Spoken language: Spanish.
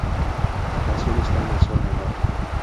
La canción está en sol menor.